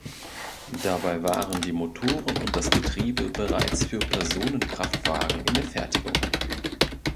Dabei waren die Motoren und das Getriebe bereits für Personenkraftwagen in der Fertigung.